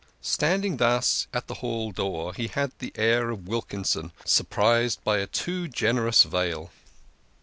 Standing thus at the hall door, he had the air of Wilkin son, surprised by a too generous vail.